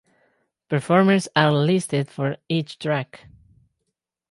Performers are listed for each track.